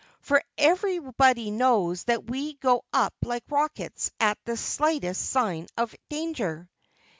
"For everybody knows that we go up like rockets at the slightest sign of danger."